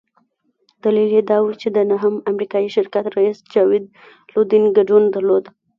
دلیل یې دا وو چې د انهم امریکایي شرکت رییس جاوید لودین ګډون درلود.